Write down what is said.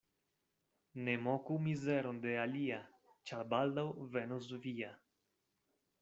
Ne moku mizeron de alia, ĉar baldaŭ venos via.